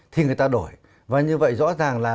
thì người ta đổi và như vậy rõ ràng là